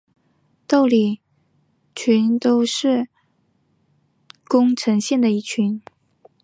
亘理郡是宫城县的一郡。